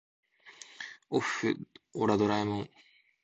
おっふオラドラえもん